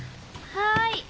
はい。